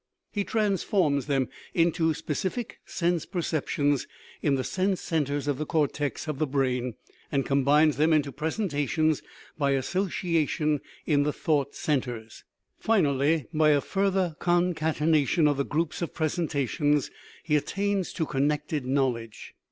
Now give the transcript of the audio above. He transforms them into specific sense perceptions in the sense centres of the cortex of the brain, and combines them into presentations, by asso ciation, in the thought centres. Finally, by a further concatenation of the groups of presentations he at tains to connected knowledge.